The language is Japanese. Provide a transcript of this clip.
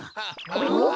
あっ！